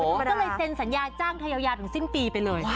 ก็เลยเซ็นสัญญาจ้างเธอยาวถึงสิ้นปีไปเลย